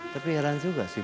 tapi heran juga sih